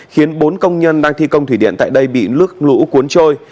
khiến bốn công nhân đang thi công thủy điện tại đây bị nước lũ cuốn trôi